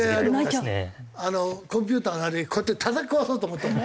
俺コンピューターのあれこうやってたたき壊そうと思ったもん。